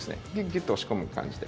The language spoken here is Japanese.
ギュッと押し込む感じで。